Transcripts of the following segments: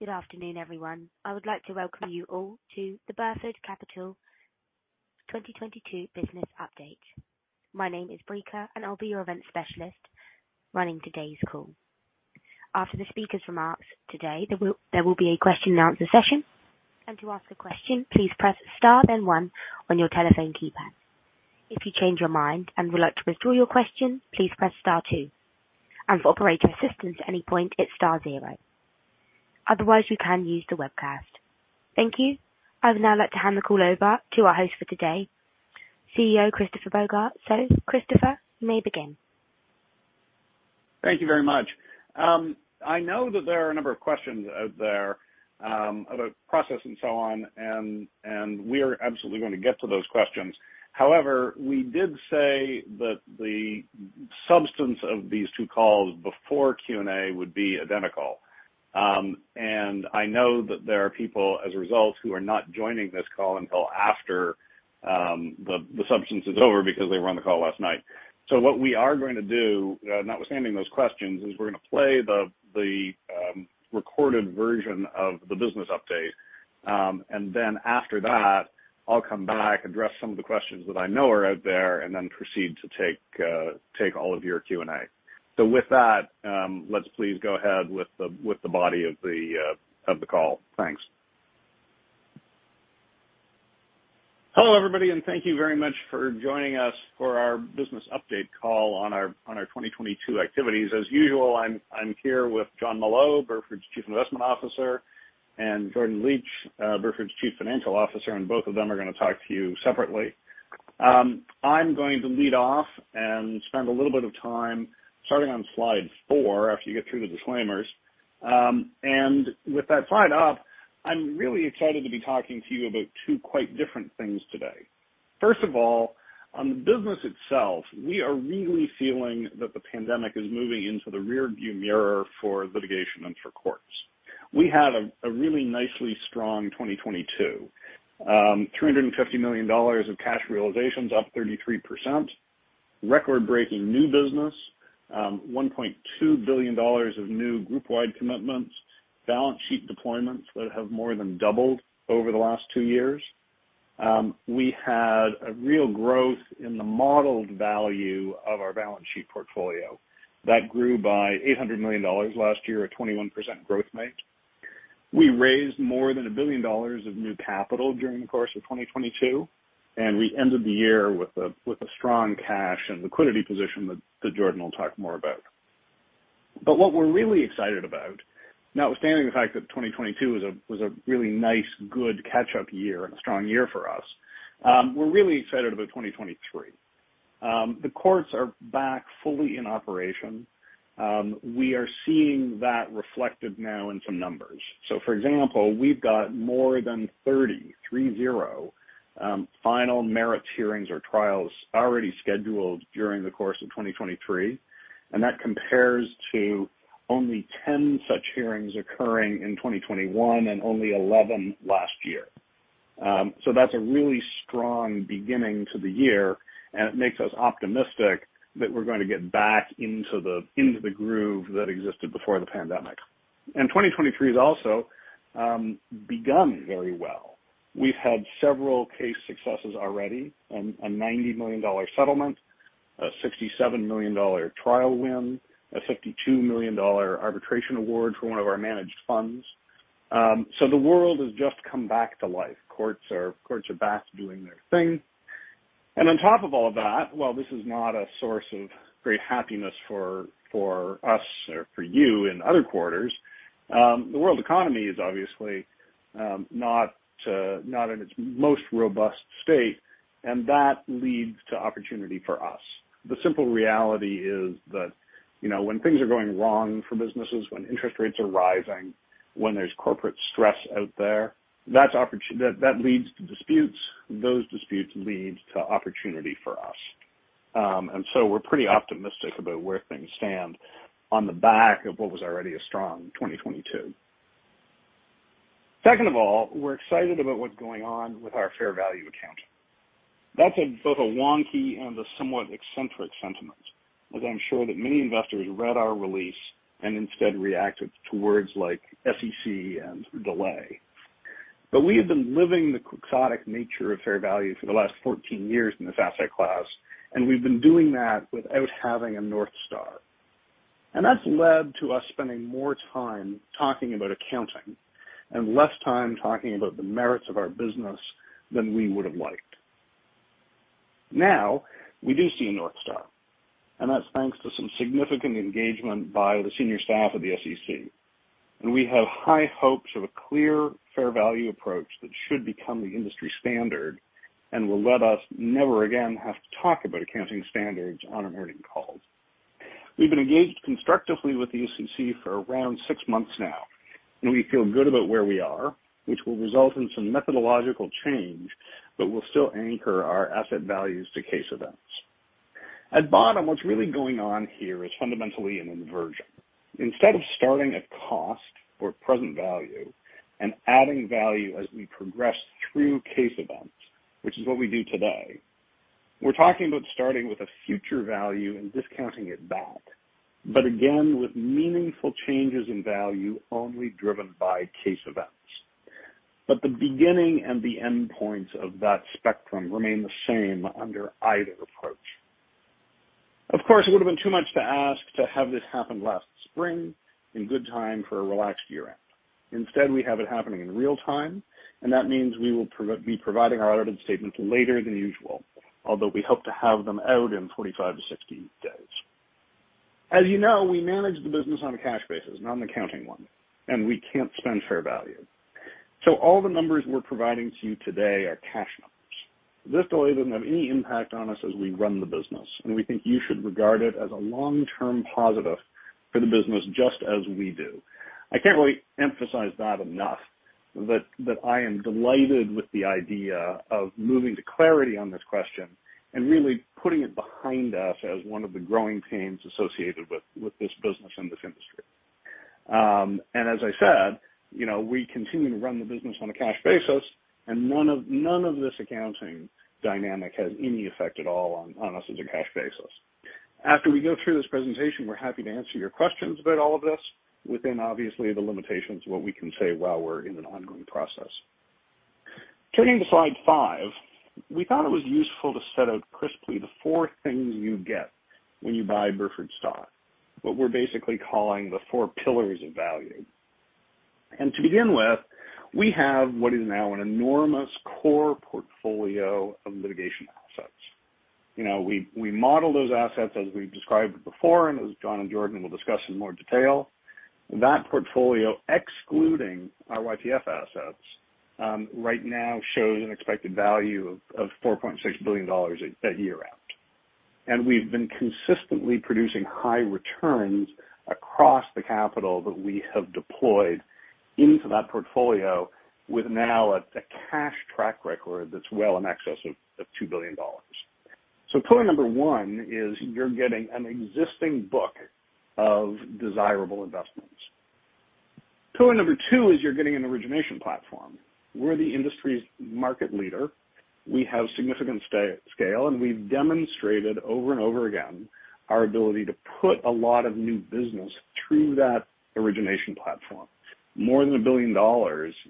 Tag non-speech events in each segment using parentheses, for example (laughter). Good afternoon, everyone. I would like to welcome you all to the Burford Capital 2022 business update. My name is Brika, and I'll be your event specialist running today's call. After the speaker's remarks today, there will be a question-and-answer session. To ask a question, please press star, then one on your telephone keypad. If you change your mind and would like to withdraw your question, please press star two. For operator assistance at any point, it's star zero. Otherwise, you can use the webcast. Thank you. I would now like to hand the call over to our host for today, CEO Christopher Bogart. Christopher, you may begin. Thank you very much. I know that there are a number of questions out there, about process and so on, and we are absolutely gonna get to those questions. However, we did say that the substance of these two calls before Q&A would be identical. I know that there are people as a result who are not joining this call until after, the substance is over because they were on the call last night. What we are going to do, notwithstanding those questions, is we're gonna play the recorded version of the business update. Then after that, I'll come back, address some of the questions that I know are out there, and then proceed to take all of your Q&A. With that, let's please go ahead with the body of the call. Thanks. Hello, everybody, and thank you very much for joining us for our business update call on our 2022 activities. As usual, I'm here with Jon Molot, Burford's Chief Investment Officer, and Jordan Licht, Burford's Chief Financial Officer, and both of them are gonna talk to you separately. I'm going to lead off and spend a little bit of time starting on slide four after you get through the disclaimers. With that slide up, I'm really excited to be talking to you about two quite different things today. First of all, on the business itself, we are really feeling that the pandemic is moving into the rear view mirror for litigation and for courts. We had a really nicely strong 2022. $350 million of cash realizations, up 33%. Record-breaking new business. $1.2 billion of new group-wide commitments. Balance sheet deployments that have more than doubled over the last two years. We had a real growth in the modeled value of our balance sheet portfolio. That grew by $800 million last year at 21% growth rate. We raised more than $1 billion of new capital during the course of 2022, and we ended the year with a strong cash and liquidity position that Jordan will talk more about. What we're really excited about, notwithstanding the fact that 2022 was a really nice, good catch-up year and a strong year for us, we're really excited about 2023. The courts are back fully in operation. We are seeing that reflected now in some numbers. For example, we've got more than 30 final merits hearings or trials already scheduled during the course of 2023, and that compares to only 10 such hearings occurring in 2021 and only 11 last year. That's a really strong beginning to the year, and it makes us optimistic that we're gonna get back into the groove that existed before the pandemic. 2023 has also begun very well. We've had several case successes already and a $90 million settlement, a $67 million trial win, a $52 million arbitration award for one of our managed funds. The world has just come back to life. Courts are back doing their thing. On top of all that, while this is not a source of great happiness for us or for you in other quarters, the world economy is obviously not in its most robust state, and that leads to opportunity for us. The simple reality is that, you know, when things are going wrong for businesses, when interest rates are rising, when there's corporate stress out there, that leads to disputes. Those disputes lead to opportunity for us. We're pretty optimistic about where things stand on the back of what was already a strong 2022. Second of all, we're excited about what's going on with our fair value accounting. That's a both a wonky and a somewhat eccentric sentiment, as I'm sure that many investors read our release and instead reacted to words like SEC and delay. We have been living the quixotic nature of fair value for the last 14 years in this asset class, and we've been doing that without having a North Star. That's led to us spending more time talking about accounting and less time talking about the merits of our business than we would have liked. Now, we do see a North Star, and that's thanks to some significant engagement by the senior staff of the SEC. We have high hopes of a clear, fair value approach that should become the industry standard and will let us never again have to talk about accounting standards on earnings calls. We've been engaged constructively with the SEC for around six months now, and we feel good about where we are, which will result in some methodological change, but will still anchor our asset values to case events. At bottom, what's really going on here is fundamentally an inversion. Instead of starting at cost or present value and adding value as we progress through case events, which is what we do today. We're talking about starting with a future value and discounting it back, but again, with meaningful changes in value only driven by case events. The beginning and the end points of that spectrum remain the same under either approach. Of course, it would have been too much to ask to have this happen last spring in good time for a relaxed year-end. Instead, we have it happening in real time, and that means we will be providing our audited statements later than usual, although we hope to have them out in 45-60 days. As you know, we manage the business on a cash basis, not an accounting one, and we can't spend fair value. All the numbers we're providing to you today are cash numbers. This delay doesn't have any impact on us as we run the business, and we think you should regard it as a long-term positive for the business just as we do. I can't really emphasize that enough, but I am delighted with the idea of moving to clarity on this question and really putting it behind us as one of the growing pains associated with this business and this industry. As I said, you know, we continue to run the business on a cash basis and none of this accounting dynamic has any effect at all on us as a cash basis. After we go through this presentation, we're happy to answer your questions about all of this within obviously the limitations of what we can say while we're in an ongoing process. Turning to slide five, we thought it was useful to set out crisply the four things you get when you buy Burford stock, what we're basically calling the four pillars of value. To begin with, we have what is now an enormous core portfolio of litigation assets. You know, we model those assets as we've described before and as Jon and Jordan will discuss in more detail. That portfolio, excluding our YPF assets, right now shows an expected value of $4.6 billion at year-end. We've been consistently producing high returns across the capital that we have deployed into that portfolio with now a cash track record that's well in excess of $2 billion. Pillar number one is you're getting an existing book of desirable investments. Pillar number two is you're getting an origination platform. We're the industry's market leader. We have significant scale, and we've demonstrated over and over again our ability to put a lot of new business through that origination platform, more than $1 billion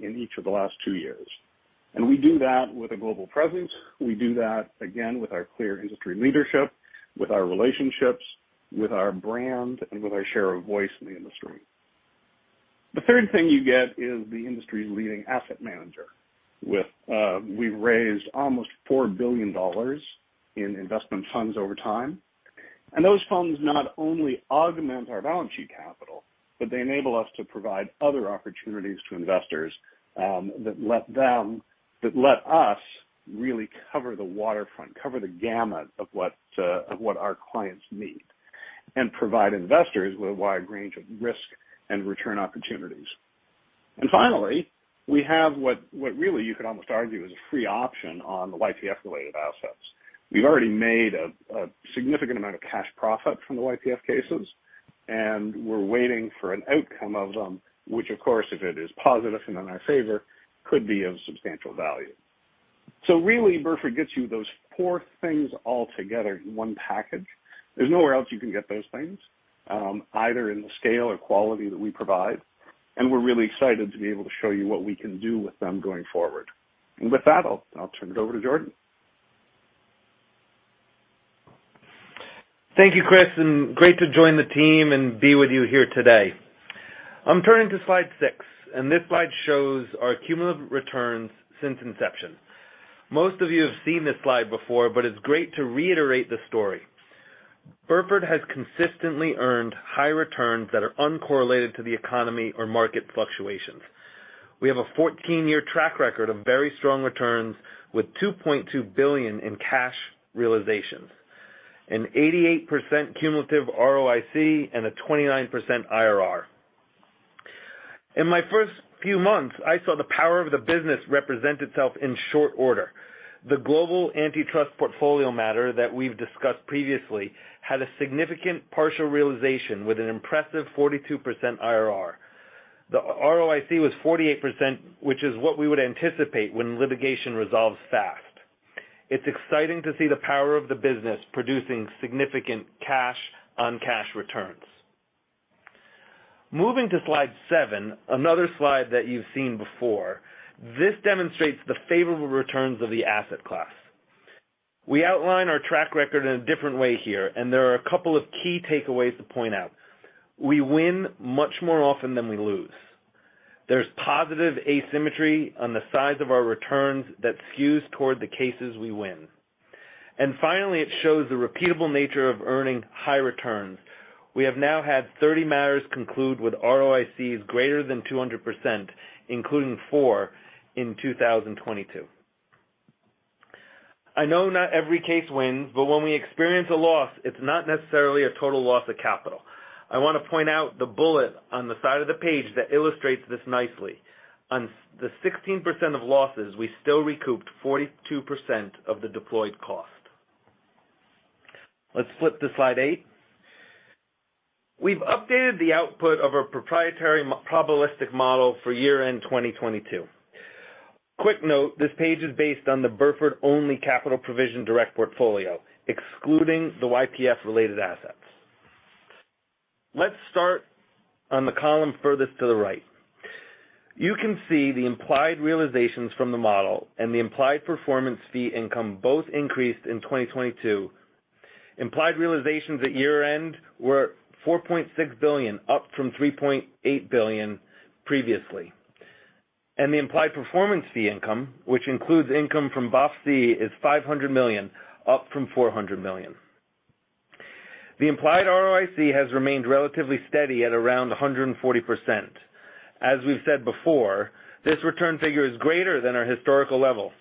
in each of the last two years. We do that with a global presence. We do that, again, with our clear industry leadership, with our relationships, with our brand, and with our share of voice in the industry. The third thing you get is the industry's leading asset manager with, we've raised almost $4 billion in investment funds over time. Those funds not only augment our balance sheet capital, but they enable us to provide other opportunities to investors, that let us really cover the waterfront, cover the gamut of what, of what our clients need, and provide investors with a wide range of risk and return opportunities. Finally, we have what really you could almost argue is a free option on the YPF-related assets. We've already made a significant amount of cash profit from the YPF cases, and we're waiting for an outcome of them, which of course, if it is positive and in our favor, could be of substantial value. Really, Burford gets you those four things all together in one package. There's nowhere else you can get those things, either in the scale or quality that we provide, and we're really excited to be able to show you what we can do with them going forward. With that, I'll turn it over to Jordan. Thank you, Chris. Great to join the team and be with you here today. I'm turning to slide six. This slide shows our cumulative returns since inception. Most of you have seen this slide before. It's great to reiterate the story. Burford has consistently earned high returns that are uncorrelated to the economy or market fluctuations. We have a 14-year track record of very strong returns with $2.2 billion in cash realizations, an 88% cumulative ROIC and a 29% IRR. In my first few months, I saw the power of the business represent itself in short order. The global antitrust portfolio matter that we've discussed previously had a significant partial realization with an impressive 42% IRR. The ROIC was 48%, which is what we would anticipate when litigation resolves fast. It's exciting to see the power of the business producing significant cash on cash returns. Moving to slide seven, another slide that you've seen before. This demonstrates the favorable returns of the asset class. We outline our track record in a different way here. There are a couple of key takeaways to point out. We win much more often than we lose. There's positive asymmetry on the size of our returns that skews toward the cases we win. Finally, it shows the repeatable nature of earning high returns. We have now had 30 matters conclude with ROICs greater than 200%, including four in 2022. I know not every case wins, but when we experience a loss, it's not necessarily a total loss of capital. I wanna point out the bullet on the side of the page that illustrates this nicely. On the 16% of losses, we still recouped 42% of the deployed cost. Let's flip to slide eight. We've updated the output of our proprietary probabilistic model for year-end 2022. Quick note, this page is based on the Burford-only capital provision-direct portfolio, excluding the YPF-related assets. Let's start on the column furthest to the right. You can see the implied realizations from the model and the implied performance fee income both increased in 2022. Implied realizations at year-end were $4.6 billion, up from $3.8 billion previously. The implied performance fee income, which includes income from BOF-C, is $500 million, up from $400 million. The implied ROIC has remained relatively steady at around 140%. As we've said before, this return figure is greater than our historical level,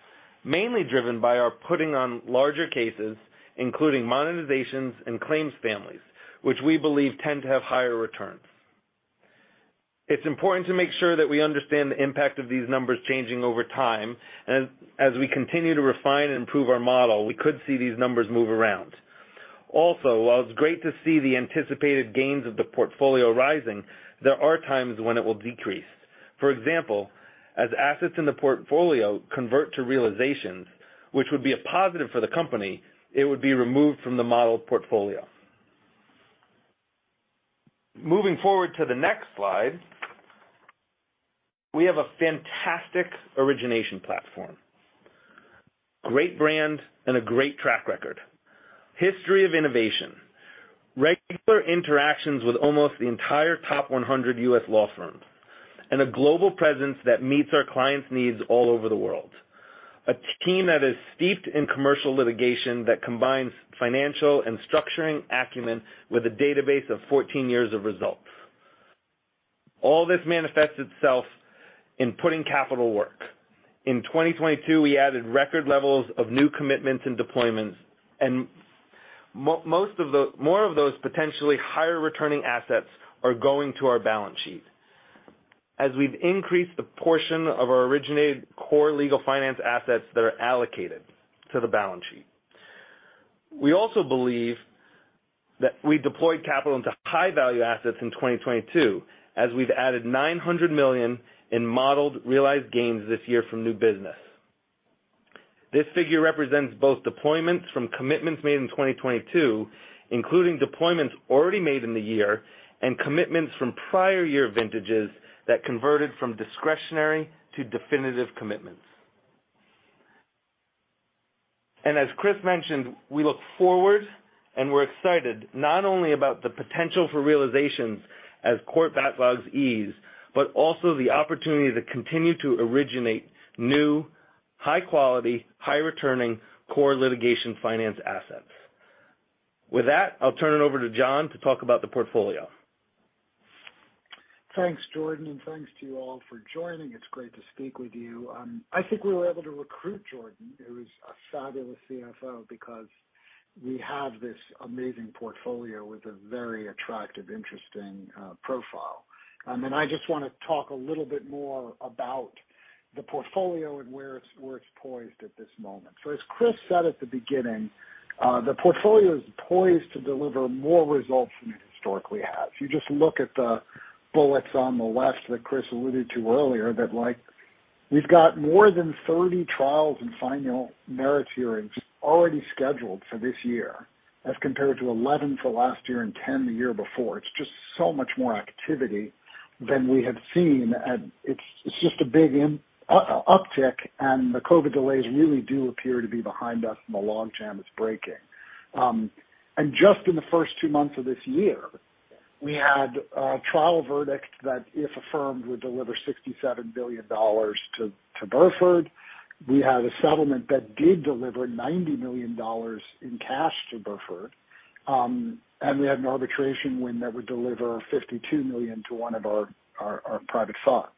mainly driven by our putting on larger cases, including monetizations and claims families, which we believe tend to have higher returns. It's important to make sure that we understand the impact of these numbers changing over time. As we continue to refine and improve our model, we could see these numbers move around. Also, while it's great to see the anticipated gains of the portfolio rising, there are times when it will decrease. For example, as assets in the portfolio convert to realizations, which would be a positive for the company, it would be removed from the modeled portfolio. Moving forward to the next slide, we have a fantastic origination platform, great brand, and a great track record. History of innovation, regular interactions with almost the entire top 100 U.S. law firms, and a global presence that meets our clients' needs all over the world. A team that is steeped in commercial litigation that combines financial and structuring acumen with a database of 14 years of results. All this manifests itself in putting capital work. In 2022, we added record levels of new commitments and deployments, and more of those potentially higher returning assets are going to our balance sheet, as we've increased the portion of our originated core legal finance assets that are allocated to the balance sheet. We also believe that we deployed capital into high-value assets in 2022, as we've added $900 million in modeled realized gains this year from new business. This figure represents both deployments from commitments made in 2022, including deployments already made in the year, and commitments from prior year vintages that converted from discretionary to definitive commitments. As Chris mentioned, we look forward, and we're excited not only about the potential for realizations as court backlogs ease, but also the opportunity to continue to originate new, high quality, high returning core litigation finance assets. With that, I'll turn it over to Jon to talk about the portfolio. Thanks, Jordan, and thanks to you all for joining. It's great to speak with you. I think we were able to recruit Jordan, who is a fabulous CFO, because we have this amazing portfolio with a very attractive, interesting, profile. I just wanna talk a little bit more about the portfolio and where it's, where it's poised at this moment. As Chris said at the beginning, the portfolio is poised to deliver more results than it historically has. You just look at the bullets on the left that Chris alluded to earlier that, like, we've got more than 30 trials and final merits hearings already scheduled for this year, as compared to 11 for last year and 10 the year before. It's just so much more activity than we had seen, and it's just a big uptick, and the COVID delays really do appear to be behind us, and the logjam is breaking. Just in the first two months of this year, we had a trial verdict that, if affirmed, would deliver $67 billion to Burford. We had a settlement that did deliver $90 million in cash to Burford, and we had an arbitration win that would deliver $52 million to one of our private funds.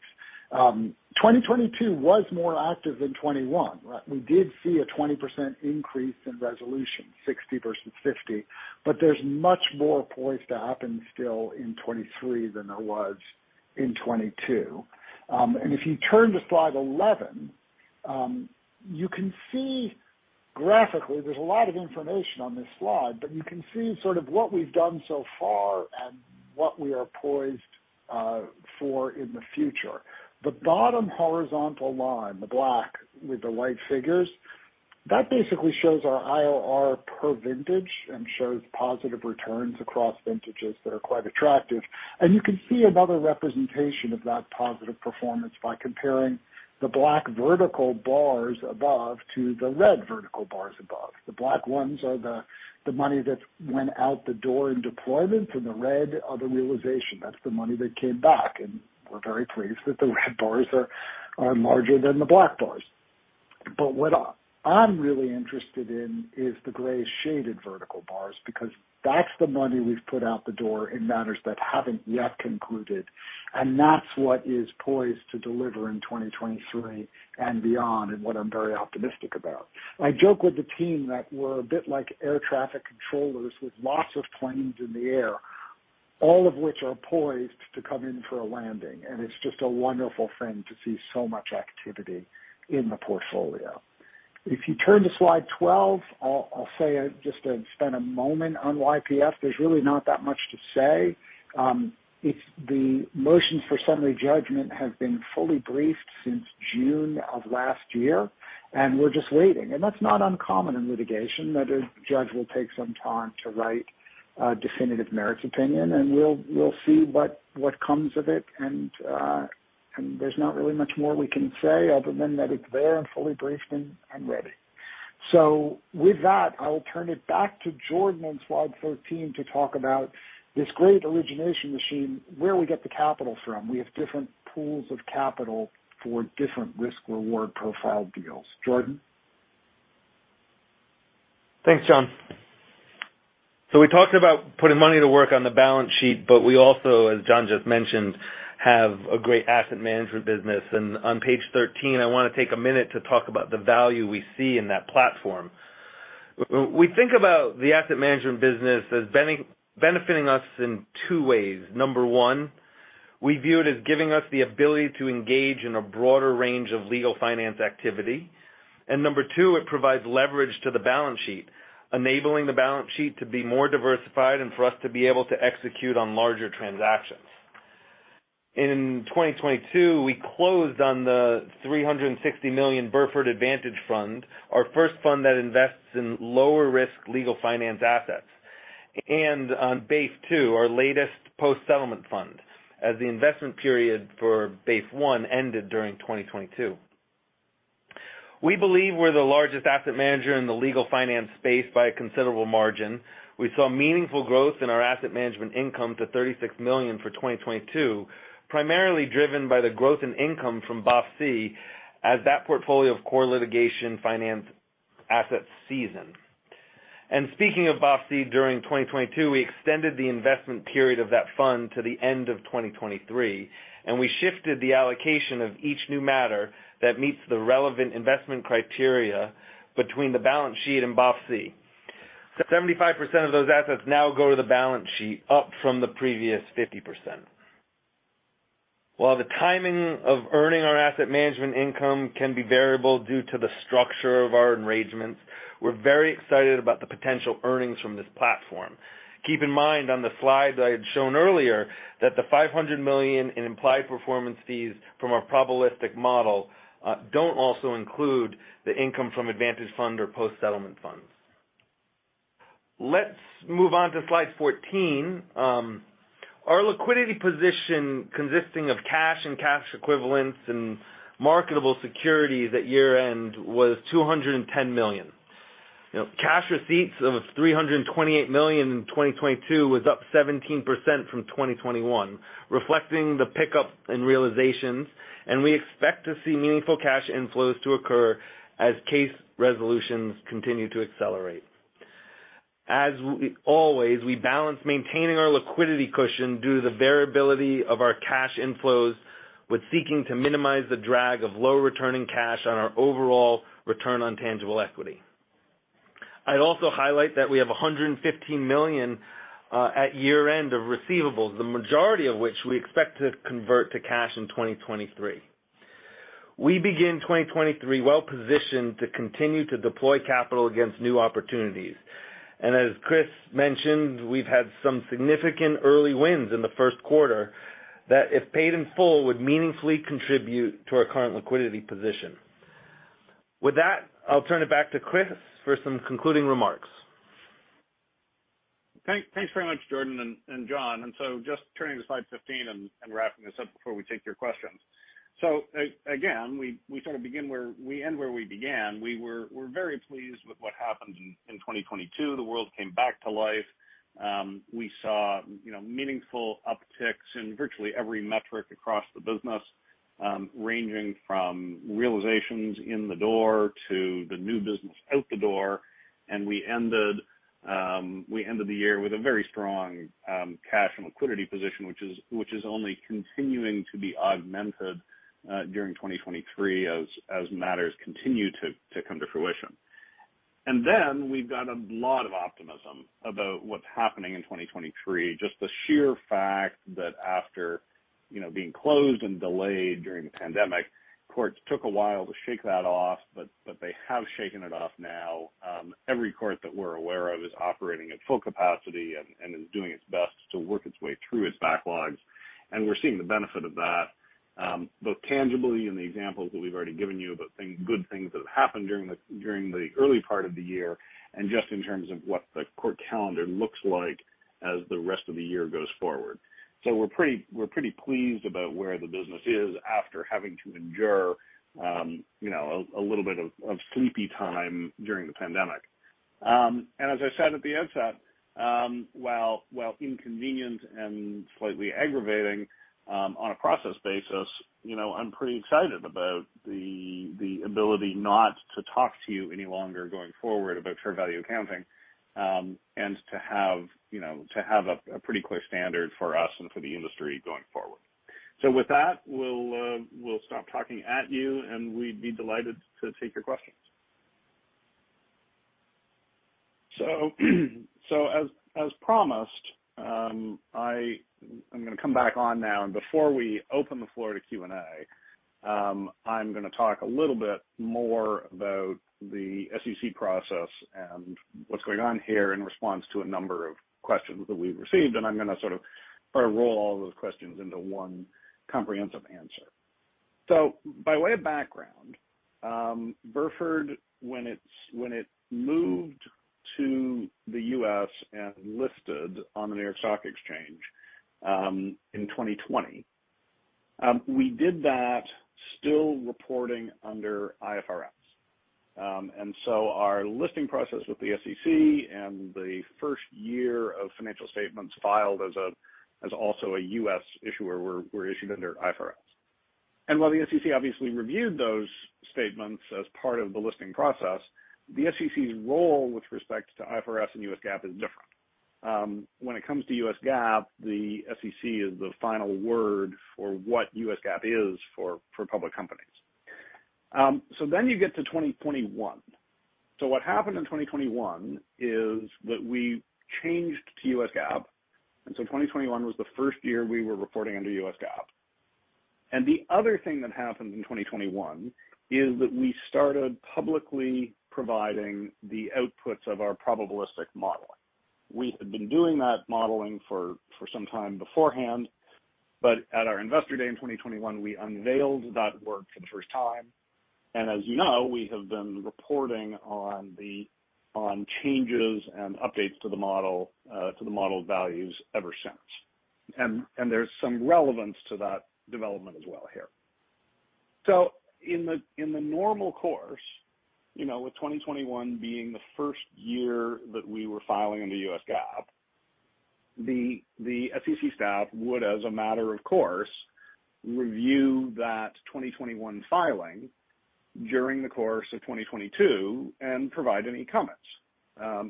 2022 was more active than 2021, right? We did see a 20% increase in resolution, 60 versus 50, but there's much more poised to happen still in 2023 than there was in 2022. If you turn to slide 11, you can see graphically, there's a lot of information on this slide, but you can see sort of what we've done so far and what we are poised for in the future. The bottom horizontal line, the black with the white figures, that basically shows our IRR per vintage and shows positive returns across vintages that are quite attractive. You can see another representation of that positive performance by comparing the black vertical bars above to the red vertical bars above. The black ones are the money that went out the door in deployments, and the red are the realization. That's the money that came back, and we're very pleased that the red bars are larger than the black bars. What I'm really interested in is the gray shaded vertical bars, because that's the money we've put out the door in matters that haven't yet concluded, and that's what is poised to deliver in 2023 and beyond and what I'm very optimistic about. I joke with the team that we're a bit like air traffic controllers with lots of planes in the air, all of which are poised to come in for a landing, and it's just a wonderful thing to see so much activity in the portfolio. If you turn to slide 12, I'll say, just to spend a moment on YPF. There's really not that much to say. It's the motions for summary judgment have been fully briefed since June of last year, and we're just waiting. That's not uncommon in litigation, that a judge will take some time to write a definitive merits opinion, and we'll see what comes of it. There's not really much more we can say other than that it's there and fully briefed and ready. With that, I'll turn it back to Jordan on slide 13 to talk about this great origination machine, where we get the capital from. We have different pools of capital for different risk-reward profile deals. Jordan? Thanks, Jon. We talked about putting money to work on the balance sheet, we also, as Jon just mentioned, have a great asset management business. On page 13, I wanna take a minute to talk about the value we see in that platform. We think about the asset management business as benefiting us in two ways. Number one, we view it as giving us the ability to engage in a broader range of legal finance activity. Number two, it provides leverage to the balance sheet, enabling the balance sheet to be more diversified and for us to be able to execute on larger transactions. In 2022, we closed on the $360 million Burford Advantage Fund, our first fund that invests in lower risk legal finance assets. On BASE II, our latest post-settlement fund, as the investment period for BASE I ended during 2022. We believe we're the largest asset manager in the legal finance space by a considerable margin. We saw meaningful growth in our asset management income to $36 million for 2022, primarily driven by the growth in income from BOF-C as that portfolio of core litigation finance assets seasoned. Speaking of BOF-C, during 2022, we extended the investment period of that fund to the end of 2023, and we shifted the allocation of each new matter that meets the relevant investment criteria between the balance sheet and BOF-C. 75% of those assets now go to the balance sheet, up from the previous 50%. While the timing of earning our asset management income can be variable due to the structure of our arrangements, we're very excited about the potential earnings from this platform. Keep in mind, on the slide that I had shown earlier, that the $500 million in implied performance fees from our probabilistic model don't also include the income from Advantage Fund or post-settlement funds. Let's move on to slide 14. Our liquidity position consisting of cash and cash equivalents and marketable securities at year-end was $210 million. You know, cash receipts of $328 million in 2022 was up 17% from 2021, reflecting the pickup in realizations, and we expect to see meaningful cash inflows to occur as case resolutions continue to accelerate. As we always, we balance maintaining our liquidity cushion due to the variability of our cash inflows with seeking to minimize the drag of low returning cash on our overall return on tangible equity. I'd also highlight that we have $115 million at year-end of receivables, the majority of which we expect to convert to cash in 2023. We begin 2023 well positioned to continue to deploy capital against new opportunities. As Chris mentioned, we've had some significant early wins in the first quarter that, if paid in full, would meaningfully contribute to our current liquidity position. With that, I'll turn it back to Chris for some concluding remarks. Thanks very much, Jordan and Jon. Just turning to slide 15 and wrapping this up before we take your questions. Again, we sort of begin where we end where we began. We're very pleased with what happened in 2022. The world came back to life. We saw, you know, meaningful upticks in virtually every metric across the business, ranging from realizations in the door to the new business out the door. We ended the year with a very strong cash and liquidity position, which is only continuing to be augmented during 2023 as matters continue to come to fruition. We've got a lot of optimism about what's happening in 2023. Just the sheer fact that after, you know, being closed and delayed during the pandemic, courts took a while to shake that off, but they have shaken it off now. Every court that we're aware of is operating at full capacity and is doing its best to work its way through its backlogs. We're seeing the benefit of that, both tangibly in the examples that we've already given you about good things that have happened during the, during the early part of the year and just in terms of what the court calendar looks like as the rest of the year goes forward. We're pretty, we're pretty pleased about where the business is after having to endure, you know, a little bit of sleepy time during the pandemic. As I said at the outset, while inconvenienced and slightly aggravating, on a process basis, you know, I'm pretty excited about the ability not to talk to you any longer going forward about fair value accounting, and to have, you know, to have a pretty clear standard for us and for the industry going forward. With that, we'll stop talking at you, and we'd be delighted to take your questions. As, as promised, I'm gonna come back on now. Before we open the floor to Q&A, I'm gonna talk a little bit more about the SEC process and what's going on here in response to a number of questions that we've received, and I'm gonna sort of roll all those questions into one comprehensive answer. By way of background, Burford, when it moved to the U.S. and listed on the New York Stock Exchange, in 2020, we did that still reporting under IFRS. Our listing process with the SEC and the first year of financial statements filed as also a U.S. issuer were issued under IFRS. While the SEC obviously reviewed those statements as part of the listing process, the SEC's role with respect to IFRS and U.S. GAAP is different. When it comes to U.S. GAAP, the SEC is the final word for what U.S. GAAP is for public companies. Then you get to 2021. What happened in 2021 is that we changed to U.S. GAAP, and 2021 was the first year we were reporting under U.S. GAAP. The other thing that happened in 2021 is that we started publicly providing the outputs of our probabilistic modeling. We had been doing that modeling for some time beforehand, but at our investor day in 2021, we unveiled that work for the first time. As you know, we have been reporting on changes and updates to the model values ever since. There's some relevance to that development as well here. In the normal course, you know, with 2021 being the first year that we were filing in U.S. GAAP, the SEC staff would, as a matter of course, review that 2021 filing during the course of 2022 and provide any comments.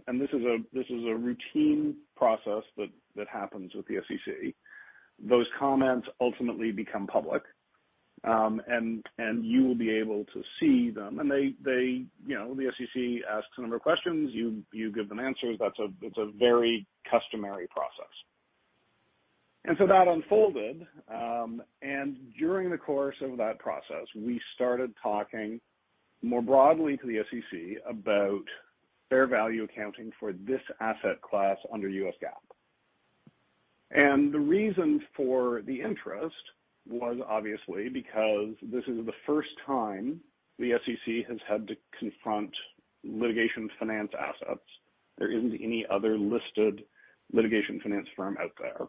This is a routine process that happens with the SEC. Those comments ultimately become public, and you will be able to see them. They, you know, the SEC asks a number of questions. You give them answers. It's a very customary process. That unfolded, and during the course of that process, we started talking more broadly to the SEC about fair value accounting for this asset class under U.S. GAAP. The reason for the interest was obviously because this is the first time the SEC has had to confront litigation finance assets. There isn't any other listed litigation finance firm out there.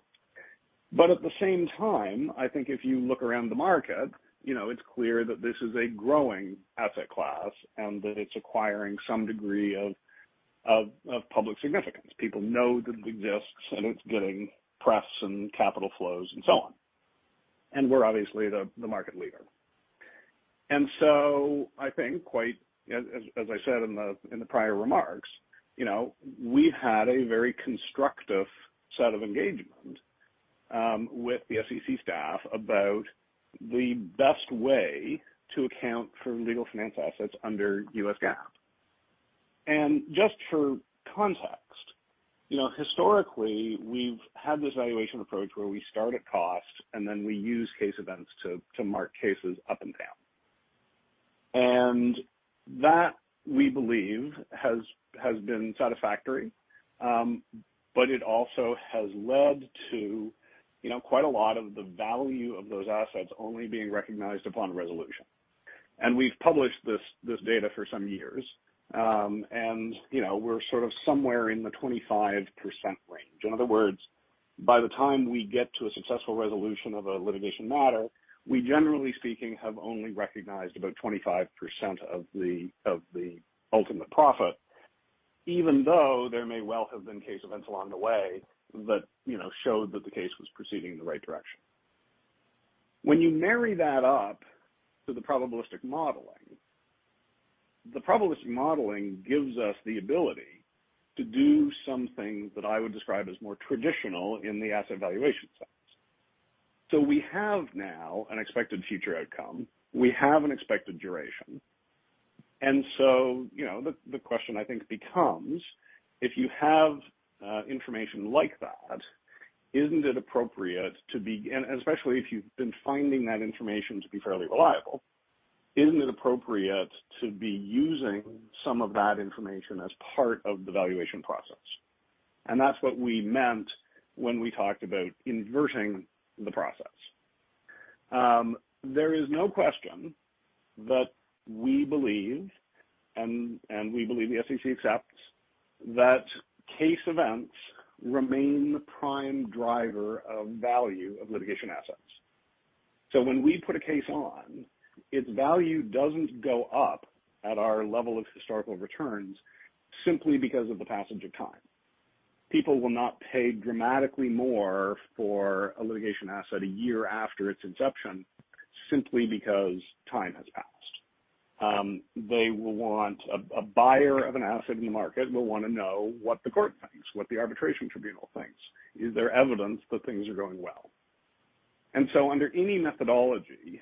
At the same time, I think if you look around the market, you know, it's clear that this is a growing asset class and that it's acquiring some degree of public significance. People know that it exists, and it's getting press and capital flows and so on. We're obviously the market leader. I think quite as I said in the prior remarks, you know, we've had a very constructive set of engagement with the SEC staff about the best way to account for legal finance assets under U.S. GAAP. Just for context, you know, historically, we've had this valuation approach where we start at cost, and then we use case events to mark cases up and down. That, we believe, has been satisfactory, but it also has led to, you know, quite a lot of the value of those assets only being recognized upon resolution. We've published this data for some years, and, you know, we're sort of somewhere in the 25% range. In other words, by the time we get to a successful resolution of a litigation matter, we generally speaking have only recognized about 25% of the ultimate profit, even though there may well have been case events along the way that, you know, showed that the case was proceeding in the right direction. When you marry that up to the probabilistic modeling, the probabilistic modeling gives us the ability to do something that I would describe as more traditional in the asset valuation sense. We have now an expected future outcome. We have an expected duration. You know, the question I think becomes, if you have information like that, isn't it appropriate to be and especially if you've been finding that information to be fairly reliable, isn't it appropriate to be using some of that information as part of the valuation process? That's what we meant when we talked about inverting the process. There is no question that we believe, and we believe the SEC accepts, that case events remain the prime driver of value of litigation assets. When we put a case on, its value doesn't go up at our level of historical returns simply because of the passage of time. People will not pay dramatically more for a litigation asset a year after its inception simply because time has passed. They will want a buyer of an asset in the market will wanna know what the court thinks, what the arbitration tribunal thinks. Is there evidence that things are going well? Under any methodology,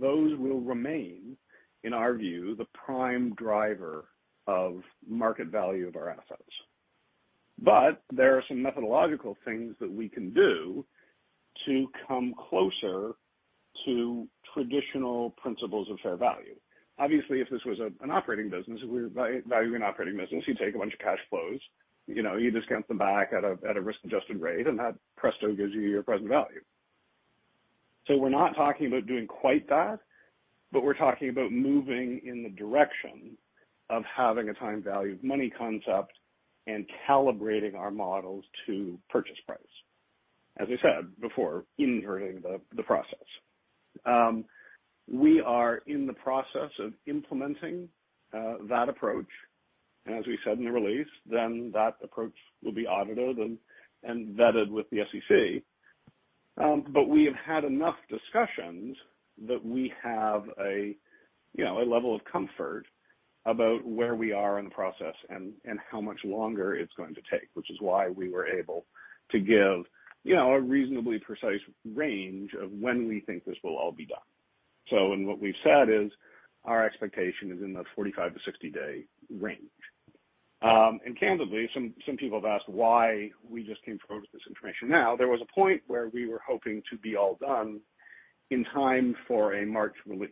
those will remain, in our view, the prime driver of market value of our assets. There are some methodological things that we can do to come closer to traditional principles of fair value. Obviously, if this was an operating business, we're valuing an operating business, you take a bunch of cash flows, you know, you discount them back at a risk-adjusted rate, and that, presto, gives you your present value. We're not talking about doing quite that, but we're talking about moving in the direction of having a time value of money concept and calibrating our models to purchase price. As I said before, inverting the process. We are in the process of implementing that approach. As we said in the release, that approach will be audited and vetted with the SEC. We have had enough discussions that we have a, you know, a level of comfort about where we are in the process and how much longer it's going to take, which is why we were able to give, you know, a reasonably precise range of when we think this will all be done. What we've said is our expectation is in the 45-60 day range. Candidly, some people have asked why we just came forward with this information now. There was a point where we were hoping to be all done in time for a March release,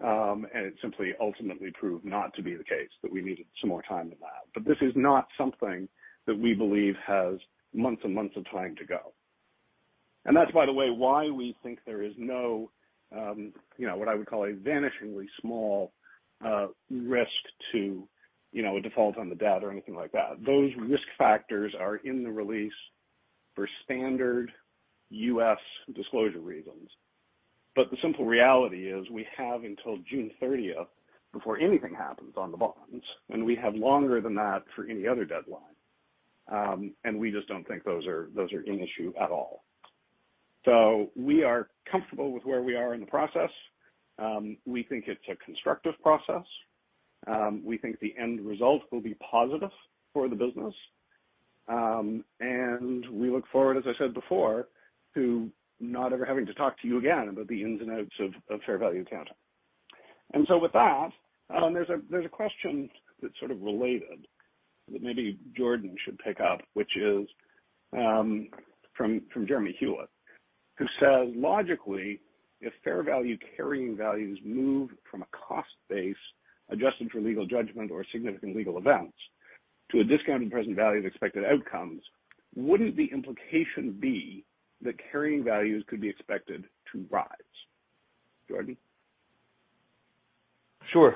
and it simply ultimately proved not to be the case, that we needed some more time than that. This is not something that we believe has months and months of time to go. That's, by the way, why we think there is no, you know, what I would call a vanishingly small risk to, you know, a default on the debt or anything like that. Those risk factors are in the release for standard U.S. disclosure reasons. The simple reality is we have until June 30th before anything happens on the bonds, and we have longer than that for any other deadline. We just don't think those are in issue at all. We are comfortable with where we are in the process. We think it's a constructive process. We think the end result will be positive for the business. We look forward, as I said before, to not ever having to talk to you again about the ins and outs of fair value accounting. With that, there's a question that's sort of related that maybe Jordan should pick up, which is, from Jeremy Hewitt, who says, "Logically, if fair value carrying values move from a cost base adjusted for legal judgment or significant legal events to a discounted present value of expected outcomes, wouldn't the implication be that carrying values could be expected to rise?" Jordan? Sure.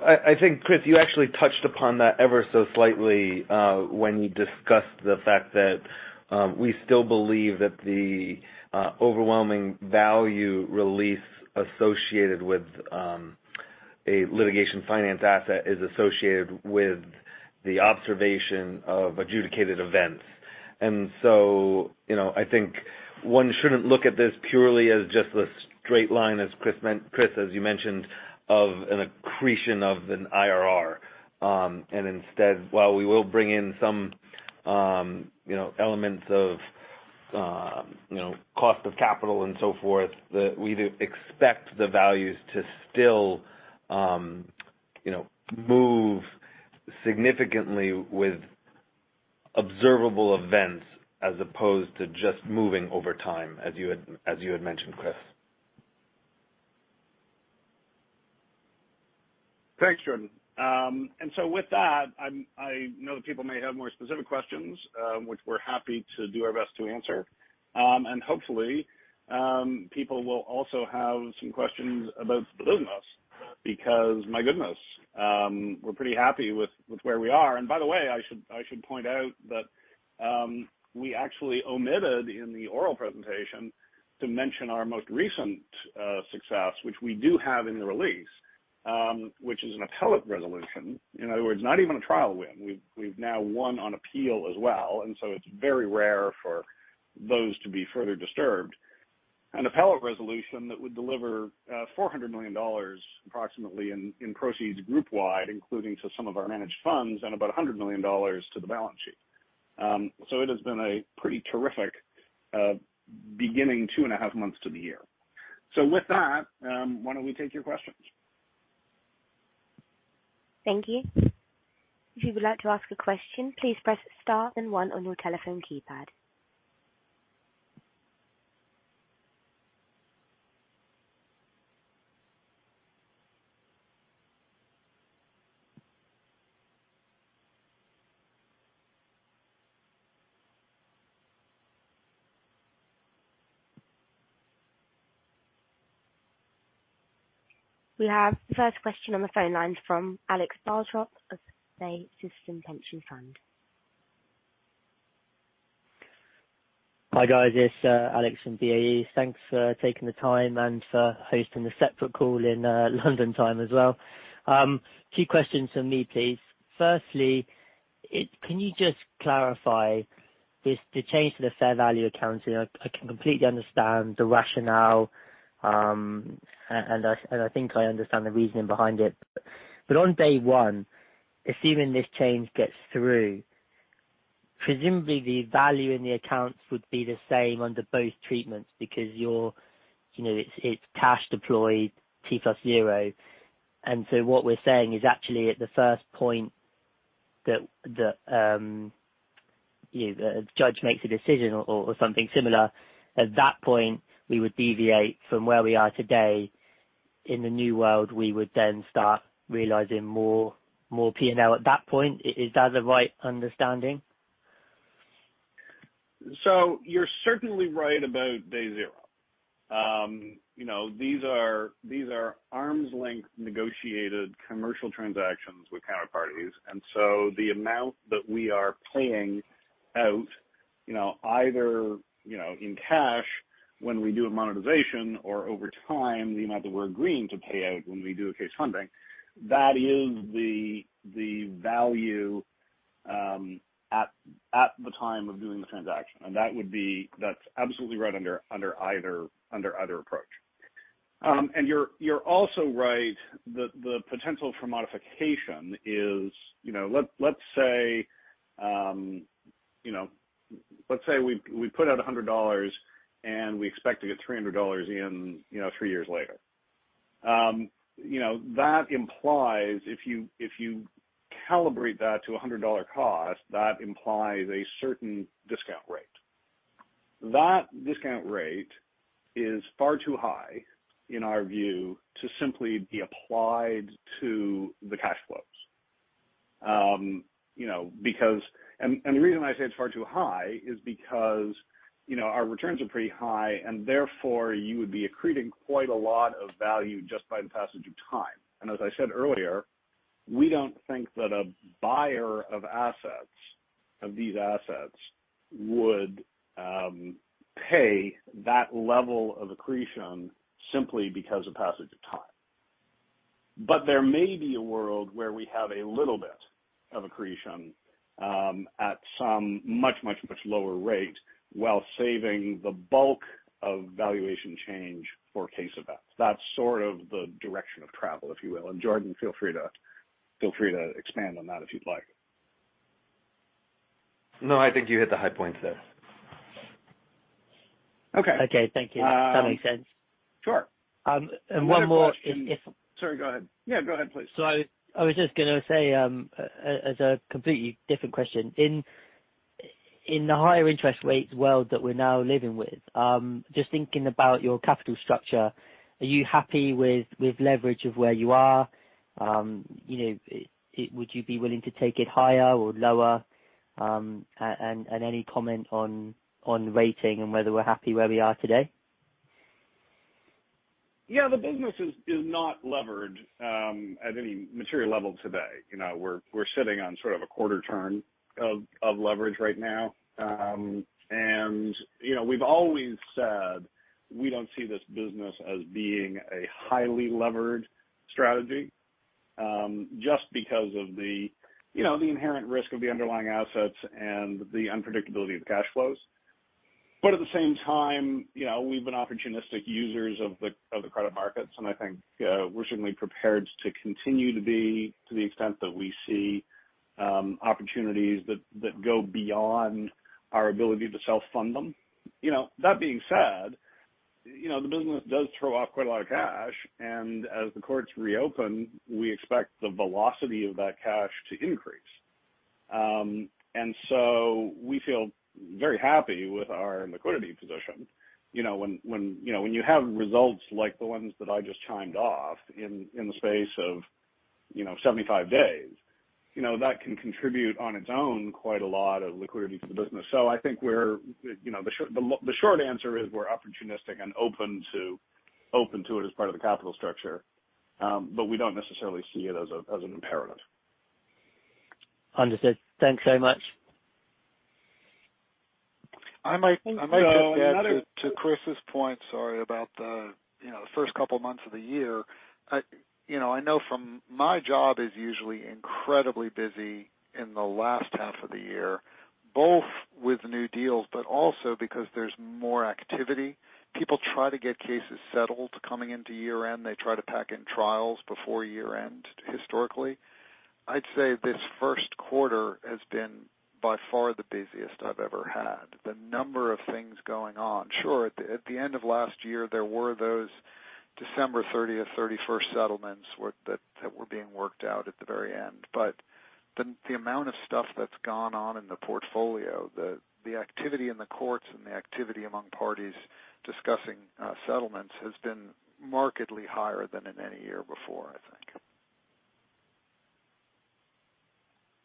I think, Chris, you actually touched upon that ever so slightly, when you discussed the fact that, we still believe that the overwhelming value release associated with a litigation finance asset is associated with the observation of adjudicated events. You know, I think one shouldn't look at this purely as just a straight line, as Chris, as you mentioned, of an accretion of an IRR. While we will bring in some, you know, elements of, you know, cost of capital and so forth, we do expect the values to still, you know, move significantly with observable events as opposed to just moving over time, as you had mentioned, Chris. Thanks, Jordan. With that, I know that people may have more specific questions, which we're happy to do our best to answer. Hopefully, people will also have some questions about, (audio distortion) because my goodness, we're pretty happy with where we are. By the way, I should point out that we actually omitted in the oral presentation to mention our most recent success, which we do have in the release, which is an appellate resolution. In other words, not even a trial win. We've now won on appeal as well. It's very rare for those to be further disturbed. An appellate resolution that would deliver $400 million approximately in proceeds group wide, including to some of our managed funds, and about $100 million to the balance sheet. It has been a pretty terrific beginning 2.5 months to the year. With that, why don't we take your questions? Thank you. If you would like to ask a question, please press star and one on your telephone keypad. We have the first question on the phone line from Alex [Bartrop] of State System Pension Fund. Hi, guys. It's Alex from BAE. Thanks for taking the time and for hosting the separate call in London time as well. Two questions from me, please. Firstly, can you just clarify this, the change to the fair value accounting? I can completely understand the rationale, and I think I understand the reasoning behind it. On day one, assuming this change gets through, presumably the value in the accounts would be the same under both treatments because you're, you know, it's cash deployed t=0. What we're saying is actually at the first point that the, you know, the judge makes a decision or something similar, at that point, we would deviate from where we are today. In the new world, we would then start realizing more P&L at that point. Is that the right understanding? You're certainly right about day zero. You know, these are arm's length negotiated commercial transactions with counterparties. The amount that we are paying out, you know, either, you know, in cash when we do a monetization or over time, the amount that we're agreeing to pay out when we do a case funding, that is the value at the time of doing the transaction. That's absolutely right under either approach. You're also right that the potential for modification is, you know. Let's say, you know, let's say we put out $100, and we expect to get $300 in, you know, three years later. You know, that implies if you, if you calibrate that to a $100 cost, that implies a certain discount rate. That discount rate is far too high, in our view, to simply be applied to the cash flows. You know, because. The reason why I say it's far too high is because, you know, our returns are pretty high, and therefore you would be accreting quite a lot of value just by the passage of time. As I said earlier, we don't think that a buyer of assets, of these assets would pay that level of accretion simply because of passage of time. There may be a world where we have a little bit of accretion, at some much, much, much lower rate while saving the bulk of valuation change for case events. That's sort of the direction of travel, if you will. Jordan, feel free to expand on that, if you'd like. No, I think you hit the high points there. Okay. Okay. Thank you. Um. That makes sense. Sure. One more- Another question? If, if- Sorry, go ahead. Yeah, go ahead, please. I was just gonna say, as a completely different question. In the higher interest rates world that we're now living with, just thinking about your capital structure, are you happy with leverage of where you are? You know, would you be willing to take it higher or lower? And any comment on rating and whether we're happy where we are today? Yeah, the business is not levered at any material level today. You know, we're sitting on sort of a quarter turn of leverage right now. You know, we've always said we don't see this business as being a highly levered strategy just because of the, you know, the inherent risk of the underlying assets and the unpredictability of the cash flows. At the same time, you know, we've been opportunistic users of the credit markets, and I think we're certainly prepared to continue to be, to the extent that we see opportunities that go beyond our ability to self-fund them. You know, that being said, you know, the business does throw off quite a lot of cash, and as the courts reopen, we expect the velocity of that cash to increase. We feel very happy with our liquidity position. You know, when, you know, when you have results like the ones that I just chimed off in the space of, you know, 75 days, you know, that can contribute on its own quite a lot of liquidity for the business. I think we're, you know, the short answer is we're opportunistic and open to, open to it as part of the capital structure. We don't necessarily see it as a, as an imperative. Understood. Thanks so much. I might- So another- I might just add to Chris's point, sorry, about the, you know, first couple months of the year. You know, I know from my job is usually incredibly busy in the last half of the year, both with new deals, but also because there's more activity. People try to get cases settled coming into year-end. They try to pack in trials before year-end, historically. I'd say this first quarter has been by far the busiest I've ever had. The number of things going on. Sure, at the end of last year, there were those December 30th, 31st settlements that were being worked out at the very end. The amount of stuff that's gone on in the portfolio, the activity in the courts and the activity among parties discussing settlements has been markedly higher than in any year before, I think.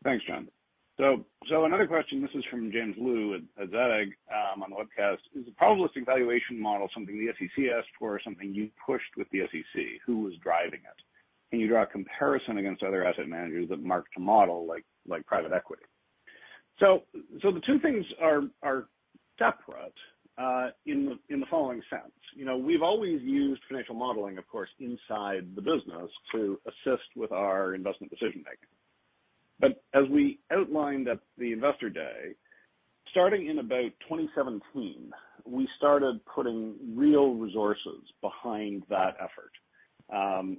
Thanks, Jon. Another question, this is from James Lu [at Zegg], on the webcast. Is the probabilistic valuation model something the SEC asked for or something you pushed with the SEC? Who was driving it? Can you draw a comparison against other asset managers that marked a model like private equity? The two things are separate in the following sense. You know, we've always used financial modeling, of course, inside the business to assist with our investment decision-making. As we outlined at the Investor Day, starting in about 2017, we started putting real resources behind that effort.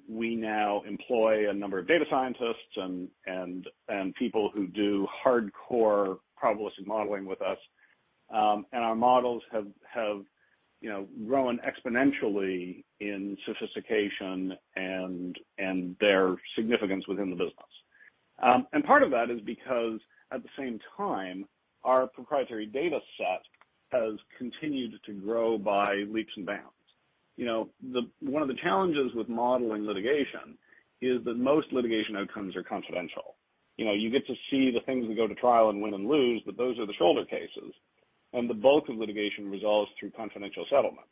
We now employ a number of data scientists and people who do hardcore probabilistic modeling with us. Our models have, you know, grown exponentially in sophistication and their significance within the business. Part of that is because at the same time, our proprietary data set has continued to grow by leaps and bounds. One of the challenges with modeling litigation is that most litigation outcomes are confidential. You get to see the things that go to trial and win and lose, but those are the shoulder cases. The bulk of litigation resolves through confidential settlement.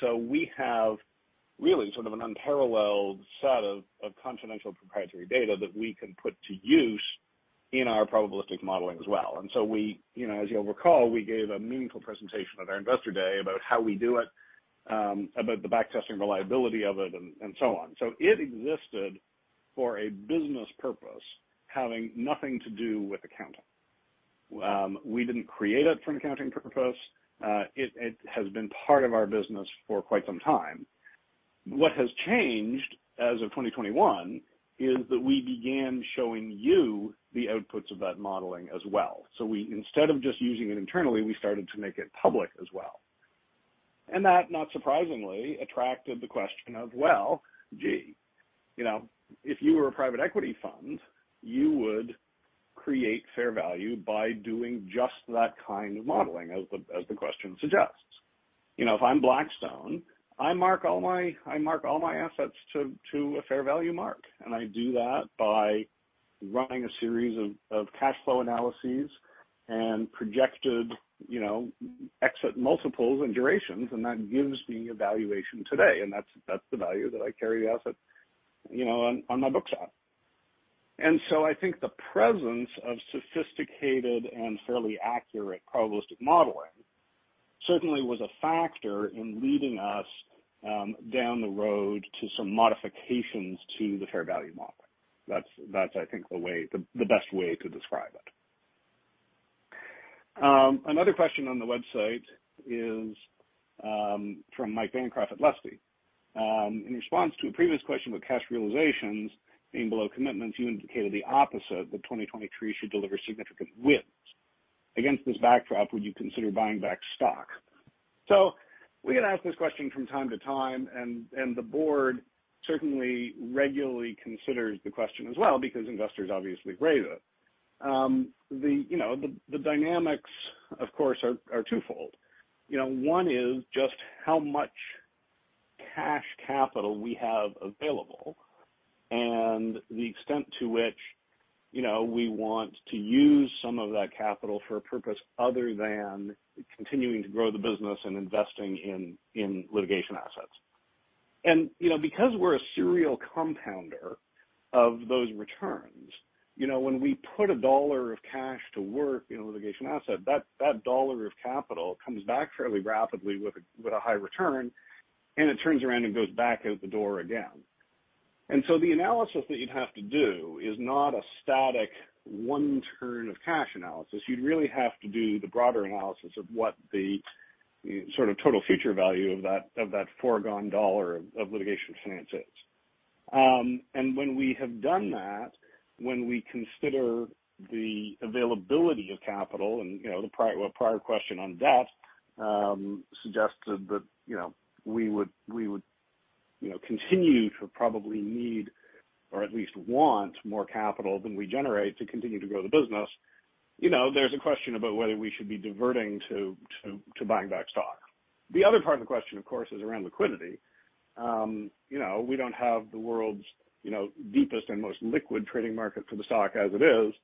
So we have really sort of an unparalleled set of confidential proprietary data that we can put to use in our probabilistic modeling as well. So we, as you'll recall, we gave a meaningful presentation at our Investor Day about how we do it, about the back testing reliability of it and so on. So it existed for a business purpose, having nothing to do with accounting. We didn't create it for an accounting purpose. It has been part of our business for quite some time. What has changed as of 2021 is that we began showing you the outputs of that modeling as well. We instead of just using it internally, we started to make it public as well. That, not surprisingly, attracted the question of, well, gee, you know, if you were a private equity fund, you would create fair value by doing just that kind of modeling as the question suggests. You know, if I'm Blackstone, I mark all my assets to a fair value mark. I do that by running a series of cash flow analyses and projected, you know, exit multiples and durations, and that gives me a valuation today. That's the value that I carry assets, you know, on my books at. I think the presence of sophisticated and fairly accurate probabilistic modeling certainly was a factor in leading us down the road to some modifications to the fair value model. That's I think the best way to describe it. Another question on the website is from Mike Bancroft at Leste. In response to a previous question about cash realizations being below commitments, you indicated the opposite, that 2023 should deliver significant wins. Against this backdrop, would you consider buying back stock? We get asked this question from time to time, and the board certainly regularly considers the question as well because investors obviously raise it. The, you know, the dynamics, of course, are twofold. You know, one is just how much cash capital we have available and the extent to which, you know, we want to use some of that capital for a purpose other than continuing to grow the business and investing in litigation assets. You know, because we're a serial compounder of those returns, you know, when we put $1 of cash to work in a litigation asset, that $1 of capital comes back fairly rapidly with a high return, and it turns around and goes back out the door again. The analysis that you'd have to do is not a static 1 turn of cash analysis. You'd really have to do the broader analysis of what the sort of total future value of that, of that foregone $1 of litigation finance is. When we have done that, when we consider the availability of capital and, you know, the prior question on debt, suggested that, you know, we would, you know, continue to probably need or at least want more capital than we generate to continue to grow the business. You know, there's a question about whether we should be diverting to buying back stock. The other part of the question, of course, is around liquidity. You know, we don't have the world's, you know, deepest and most liquid trading market for the stock as it is.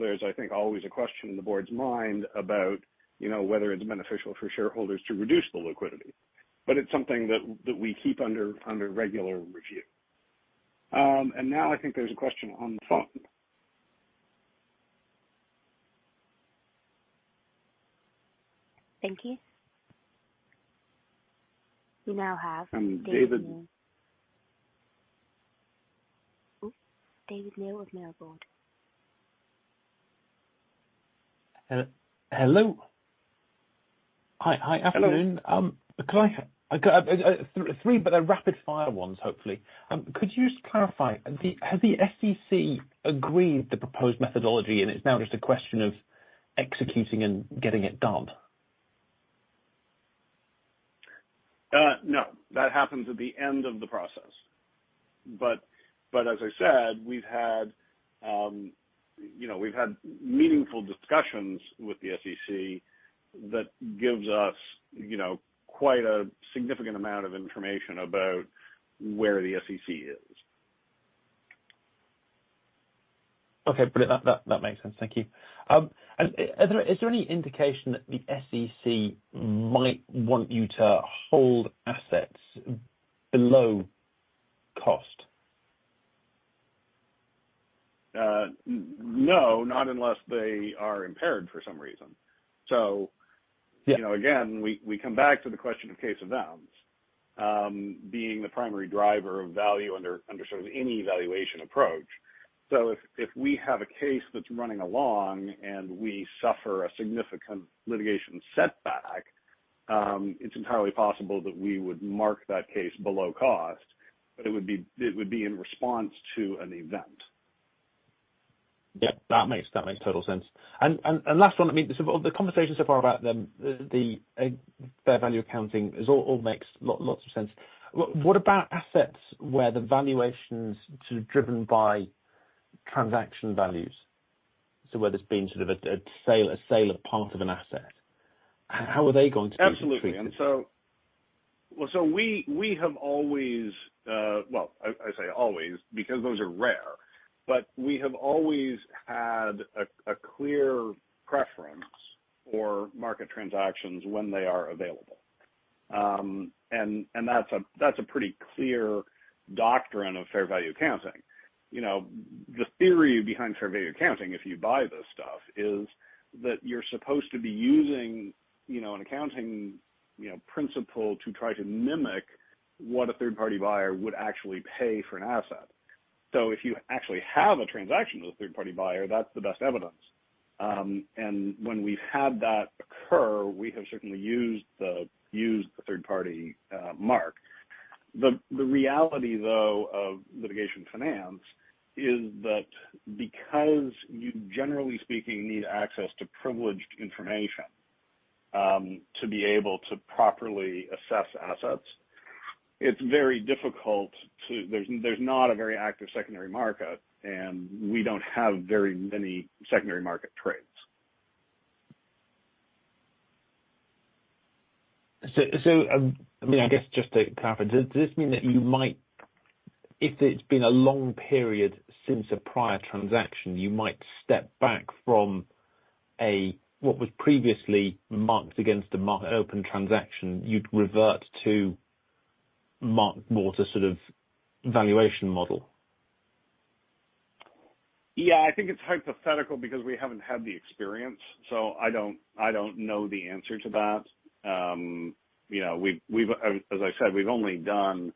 There's, I think, always a question in the board's mind about, you know, whether it's beneficial for shareholders to reduce the liquidity. It's something that we keep under regular review. Now I think there's a question on the phone. Thank you. You now have. David- David Neil. Oops. [David Neil with Miller Board]. Hello. Hi. Afternoon. Hello. I got three, but they're rapid fire ones, hopefully. Could you just clarify, has the SEC agreed the proposed methodology, and it's now just a question of executing and getting it done? No. That happens at the end of the process. As I said, we've had, you know, we've had meaningful discussions with the SEC that gives us, you know, quite a significant amount of information about where the SEC is. Okay. Brilliant. That makes sense. Thank you. Is there any indication that the SEC might want you to hold assets below cost? No, not unless they are impaired for some reason. You know, again, we come back to the question of case events being the primary driver of value under sort of any valuation approach. If we have a case that's running along and we suffer a significant litigation setback, it's entirely possible that we would mark that case below cost, but it would be in response to an event. Yeah. That makes total sense. Last one. I mean, the conversation so far about them, the fair value accounting is all makes lots of sense. What about assets where the valuations sort of driven by transaction values? Whether it's been sort of a sale of part of an asset, how are they going to be treated? Absolutely. We have always, well, I say always because those are rare, but we have always had a clear preference for market transactions when they are available. That's a pretty clear doctrine of fair value accounting. You know, the theory behind fair value accounting, if you buy this stuff, is that you're supposed to be using, you know, an accounting, you know, principle to try to mimic what a third-party buyer would actually pay for an asset. If you actually have a transaction with a third-party buyer, that's the best evidence. When we've had that occur, we have certainly used the third party mark. The reality, though, of litigation finance is that because you, generally speaking, need access to privileged information, to be able to properly assess assets, it's very difficult to. There's not a very active secondary market. We don't have very many secondary market trades. I mean, I guess just to clarify, does this mean that you might... If it's been a long period since a prior transaction, you might step back from a, what was previously marked against a open transaction, you'd revert to mark more to sort of valuation model? I think it's hypothetical because we haven't had the experience, so I don't know the answer to that. You know, we've As I said, we've only done,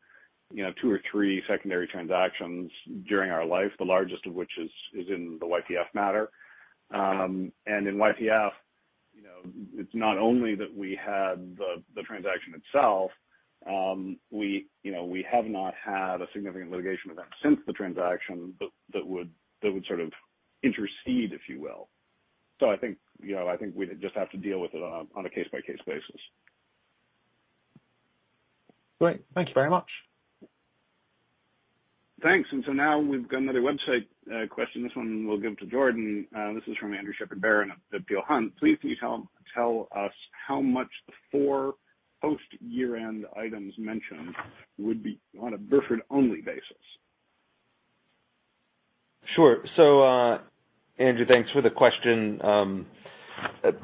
you know, two or three secondary transactions during our life, the largest of which is in the YPF matter. In YPF, you know, it's not only that we had the transaction itself, we, you know, we have not had a significant litigation event since the transaction that would sort of intercede, if you will. I think, you know, I think we'd just have to deal with it on a case-by-case basis. Great. Thank you very much. Thanks. Now we've got another website, question. This one we'll give to Jordan. This is from Andrew Shepherd-Barron at Peel Hunt. Please, can you tell us how much the four post-year-end items mentioned would be on a Burford only basis? Sure. Andrew, thanks for the question.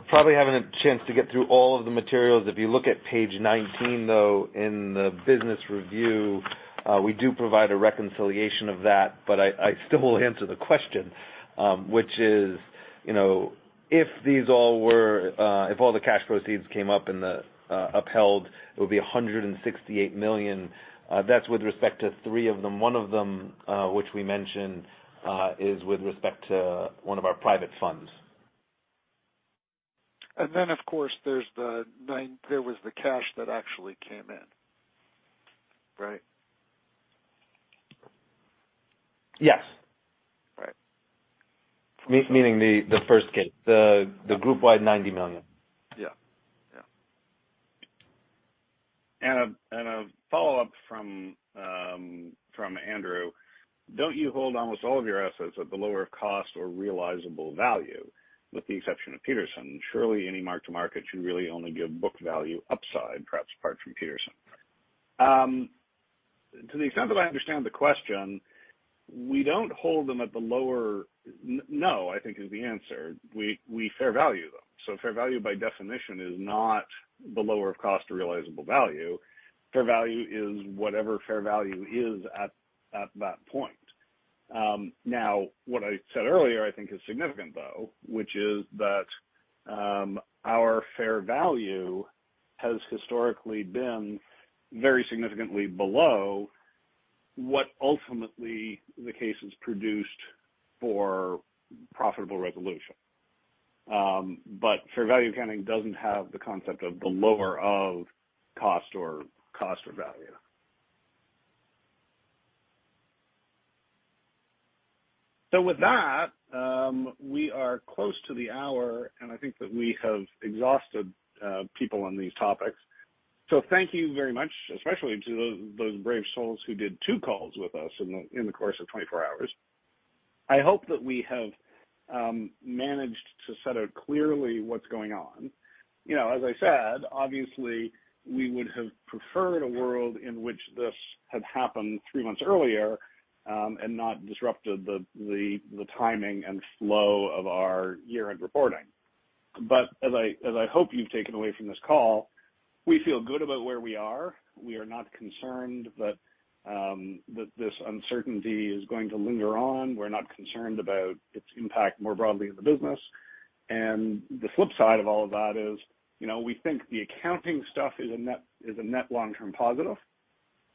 Probably having a chance to get through all of the materials. If you look at page 19, though, in the business review, we do provide a reconciliation of that, but I still will answer the question. Which is, you know, if these all were, if all the cash proceeds came up in the upheld, it would be $168 million. That's with respect to 3 of them. 1 of them, which we mentioned, is with respect to 1 of our private funds. Of course, there was the cash that actually came in. Right? Yes. Right. Meaning the first case, the groupwide $90 million. Yeah. Yeah. and a follow-up from Andrew: Don't you hold almost all of your assets at the lower cost or realizable value, with the exception of Petersen? Surely any mark to market should really only give book value upside, perhaps apart from Petersen. To the extent that I understand the question, we don't hold them at the lower... No, I think is the answer. We, we fair value them. Fair value by definition is not the lower of cost or realizable value. Fair value is whatever fair value is at that point. Now, what I said earlier, I think is significant though, which is that, our fair value has historically been very significantly below what ultimately the cases produced for profitable resolution. Fair value accounting doesn't have the concept of the lower of cost or value. With that, we are close to the hour, I think that we have exhausted people on these topics. Thank you very much, especially to those brave souls who did two calls with us in the course of 24 hours. I hope that we have managed to set out clearly what's going on. You know, as I said, obviously we would have preferred a world in which this had happened three months earlier, and not disrupted the timing and flow of our year-end reporting. As I hope you've taken away from this call, we feel good about where we are. We are not concerned that this uncertainty is going to linger on. We're not concerned about its impact more broadly in the business. The flip side of all of that is, you know, we think the accounting stuff is a net, is a net long-term positive,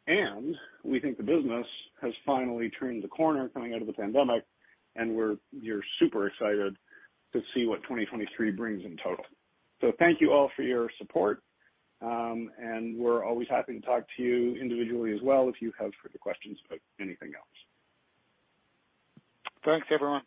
and we think the business has finally turned the corner coming out of the pandemic, and we're super excited to see what 2023 brings in total. Thank you all for your support, and we're always happy to talk to you individually as well if you have further questions about anything else. Thanks, everyone.